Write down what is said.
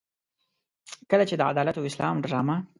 کله چې د عدالت او اسلام ډرامه.